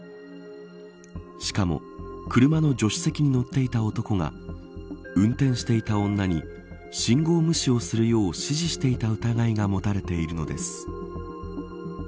しかも、車の助手席に乗っていた男が運転していた女に信号無視をするよう指示していた疑いが持たれているのです。